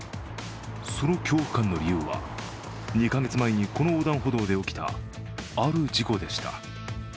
その恐怖感の理由は、２か月前にこの横断歩道で起きた、ある事故でした。